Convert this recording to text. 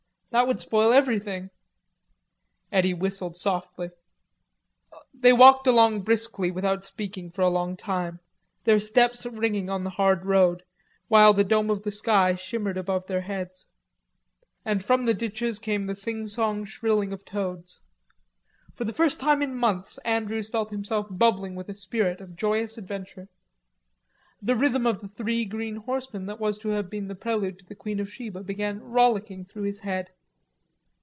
That would spoil everything." Eddy whistled softly. They walked along briskly without speaking for a long time, their steps ringing on the hard road, while the dome of the sky shimmered above their heads. And from the ditches came the singsong shrilling of toads. For the first time in months Andrews felt himself bubbling with a spirit of joyous adventure. The rhythm of the three green horsemen that was to have been the prelude to the Queen of Sheba began rollicking through his head.